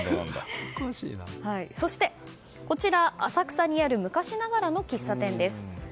そして、こちらは浅草にある昔ながらの喫茶店です。